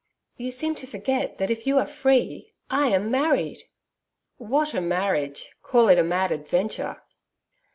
'You seem to forget that if you are free I am married.' 'What a marriage? Call it a mad adventure.'